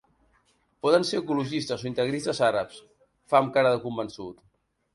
Poden ser ecologistes o integristes àrabs, fa amb cara de convençut.